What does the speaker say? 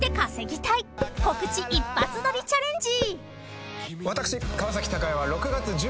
［告知一発撮りチャレンジ］